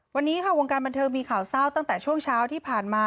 วันนี้ค่ะวงการบันเทิงมีข่าวเศร้าตั้งแต่ช่วงเช้าที่ผ่านมา